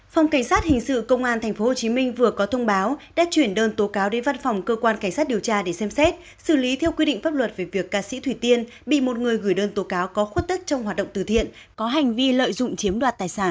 phòng cảnh sát hình sự công an tp hcm vừa có thông báo đã chuyển đơn tố cáo đến văn phòng cơ quan cảnh sát điều tra để xem xét xử lý theo quy định pháp luật về việc ca sĩ thủy tiên bị một người gửi đơn tố cáo có khuất tức trong hoạt động từ thiện có hành vi lợi dụng chiếm đoạt tài sản